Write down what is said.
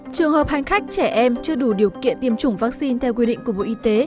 trường hợp hành khách trẻ em chưa đủ điều kiện tiêm chủng vaccine theo quy định của bộ y tế